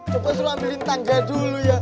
coba suruh ambilin tangga dulu ya